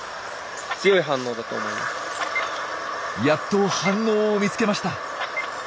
やっと反応を見つけました。